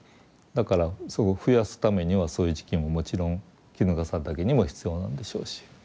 だからそこ増やすためにはそういう時期ももちろんキヌガサダケにも必要なんでしょうし。